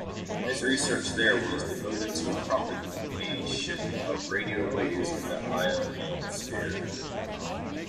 His research there was devoted to propagation of radio waves in the ionosphere.